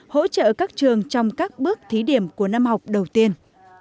hỗ trợ các trường trong các bước thí điểm của năm học đầu tiên